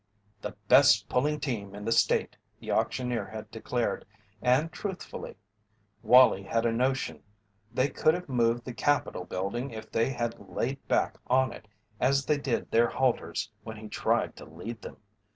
"The best pulling team in the state!" the auctioneer had declared, and truthfully. Wallie had a notion they could have moved the Capitol building if they had laid back on it as they did their halters when he tried to lead them.